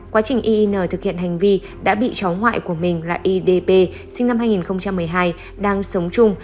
quá trình yin thực hiện hành vi đã bị cháu ngoại của mình là ydp sinh năm hai nghìn một mươi hai đang sống chung